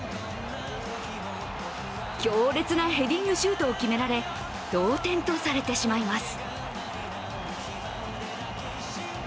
強烈なヘディングシュートを決められ同点とされてしまいます。